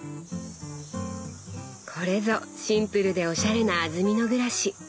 これぞシンプルでおしゃれな安曇野暮らし。